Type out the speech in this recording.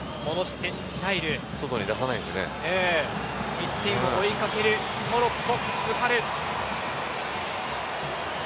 １点を追いかけるモロッコ。